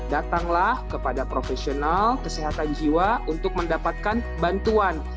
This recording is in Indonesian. datanglah kepada profesional kesehatan jiwa untuk mendapatkan bantuan